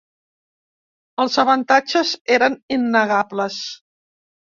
Els avantatges eren innegables.